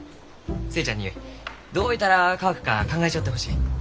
寿恵ちゃんにどういたら乾くか考えちょってほしい。